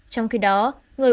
trong khi đó